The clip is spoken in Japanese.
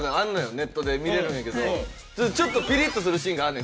ネットで見れるんやけどちょっとピリッとするシーンがあんねん。